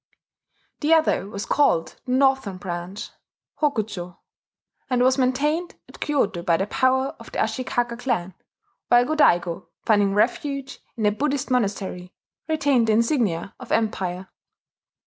The other was called the Northern Branch (Hokucho), and was maintained at Kyoto by the power of the Ashikaga clan; while Go Daigo, finding refuge in a Buddhist monastery, retained the insignia of empire.